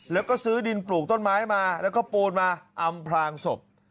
แล้วก็ซื้อดินปลูกต้นไม้มาแล้วก็ปูนมาอำพลางศพ